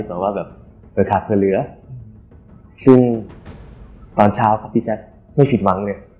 แต่ว่าแบบขาดเผื่อเหลือซึ่งตอนเช้าครับพี่แจ๊คไม่ผิดหวังเลย